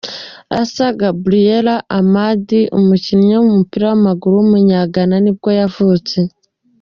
Issah Gabriel Ahmed, umukinnyi w’umupira w’amaguru w’umunya Ghana ni bwo yavutse.